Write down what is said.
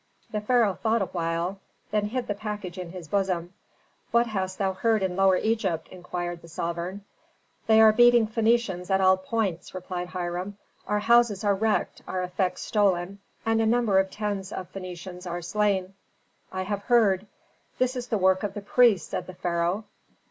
The pharaoh thought a while, then hid the package in his bosom. "What hast thou heard in Lower Egypt?" inquired the sovereign. "They are beating Phœnicians at all points," replied Hiram. "Our houses are wrecked, our effects stolen, and a number of tens of Phœnicians are slain." "I have heard. This is the work of the priests," said the pharaoh.